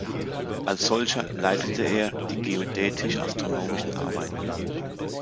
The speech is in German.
Als solcher leitete er die geodätisch-astronomischen Arbeiten.